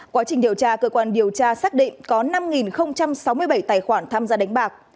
quá trình điều tra cơ quan điều tra xác định có năm sáu mươi bảy tài khoản tham gia đánh bạc